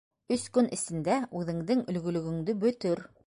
- Өс көн эсендә үҙеңдең өлгөлөгөңдө бөтөр!